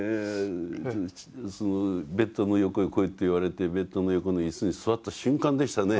ベッドの横へ来いと言われてベッドの横の椅子に座った瞬間でしたね。